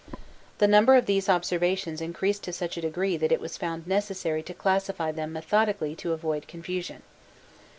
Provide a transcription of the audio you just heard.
The number of these observations increased to such a degree that it was found necessary to classify them methodically to avoid confusion.